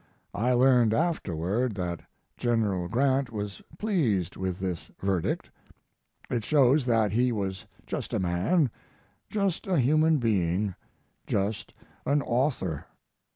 I learned afterward that General Grant was pleased with this verdict. It shows that he was just a man, just a human being, just an author."